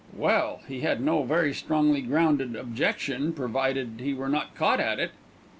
Well, he had no very strongly grounded objection, provided he were not caught at it.